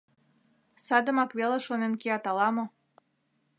Садымак веле шонен кият ала-мо?